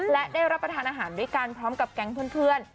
และได้รับประทานอาหารด้วยกันพร้อมกับแก๊งเพื่อน